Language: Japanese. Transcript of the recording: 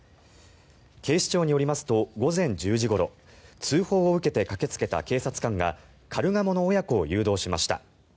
警視庁によりますと午前１０時ごろ通報を受けて駆けつけた警察官がカルガモの親子を誘導しました。